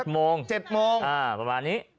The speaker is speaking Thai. โมง๗โมงประมาณนี้